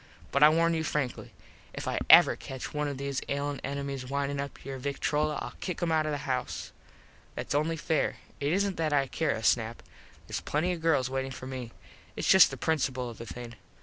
But I warn you frankly. If I ever catch one of those ailin enemies windin up your victrola Ill kick him out of the house. Thats only fair. It isn't that I care a snap. Theres plenty of girls waitin for me. Its just the principul of the thing.